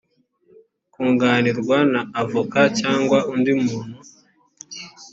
kunganirwa na avoka cyangwa undi muntu